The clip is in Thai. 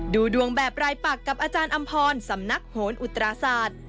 ดูดวงแบบรายปักกับอาจารย์อำพรสำนักโหนอุตราศาสตร์